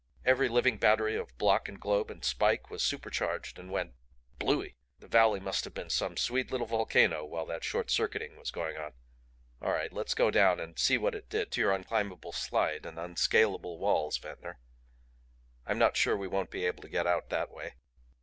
Every living battery of block and globe and spike was supercharged and went blooey. The valley must have been some sweet little volcano while that short circuiting was going on. All right let's go down and see what it did to your unclimbable slide and unscalable walls, Ventnor. I'm not sure we won't be able to get out that way."